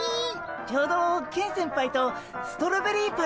ちょうどケン先輩とストロベリーパイ作ってたんですよ。